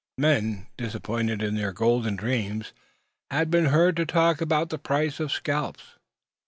Men disappointed in their golden dreams had been heard to talk about the price of scalps!